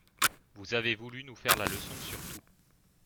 Vous avez voulu nous faire la leçon sur tout.